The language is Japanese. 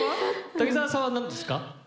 滝沢さんはなんですか？